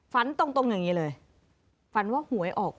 ฝันตรงอย่างนี้เลยฝันว่าหวยออก